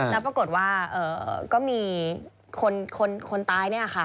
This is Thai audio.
แล้วปรากฏว่ามีคนตาย